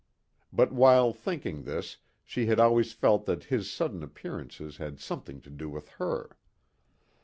But while thinking this she had always felt that his sudden appearances had something to do with her.